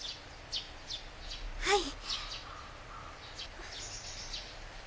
はい。